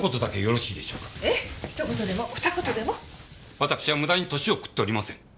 わたくしは無駄に年を食っておりません。